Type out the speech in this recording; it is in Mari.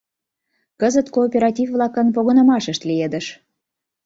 Кызыт кооператив-влакын погынымашышт лиедыш.